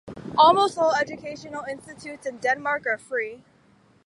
Almost all educational institutes in Denmark are free.